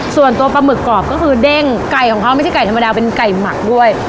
ส่วนตัวปลาหมึกกรอบก็คือเด้งไก่ของเขาไม่ใช่ไก่ธรรมดาเป็นไก่หมักด้วย